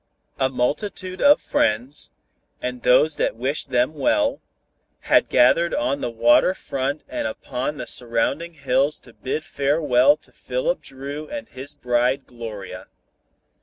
A multitude of friends, and those that wished them well, had gathered on the water front and upon the surrounding hills to bid farewell to Philip Dru and his bride Gloria.